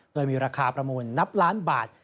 โดยมีราคาประมูลนับล้านบาท